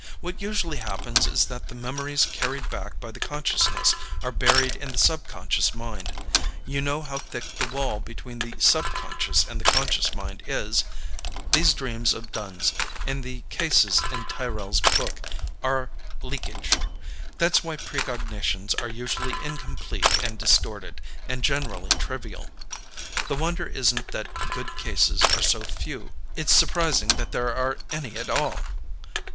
What usually happens is that the memories carried back by the consciousness are buried in the subconscious mind. You know how thick the wall between the subconscious and the conscious mind is. These dreams of Dunne's, and the cases in Tyrrell's book, are leakage. That's why precognitions are usually incomplete and distorted, and generally trivial. The wonder isn't that good cases are so few; it's surprising that there are any at all."